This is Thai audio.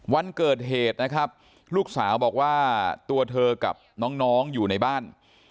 วันเกิดเหตุนะครับลูกสาวบอกว่าตัวเธอกับน้องอยู่ในบ้าน